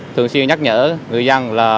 thường xuyên nhắc nhở người dân